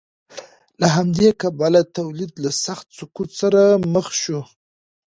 له همدې کبله تولید له سخت سقوط سره مخ شو